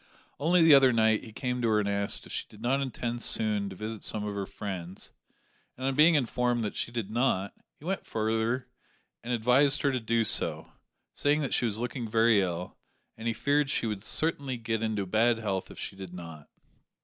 Only the other night he came to her and asked if she did not intend soon to visit some of her friends; and on being informed that she did not, he went further and advised her to do so, saying that she was looking very ill, and he feared she would certainly get into bad health if she did not.